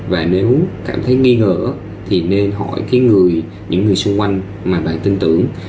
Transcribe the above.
và nếu cảm thấy nghi ngờ thì nên hỏi cái người xung quanh mà bạn tin tưởng